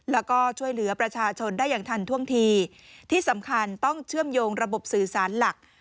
แล้วก็ช่วยเหลือประชาชนได้อย่างทันท่วงทีที่สำคัญต้องเชื่อมโยงระบบสื่อสารหลัก